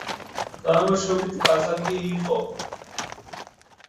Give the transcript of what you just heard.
წარმოშობით კაზაკი იყო.